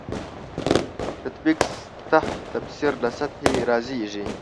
تطبیق سطح تفسیر له سطحې رازېږي.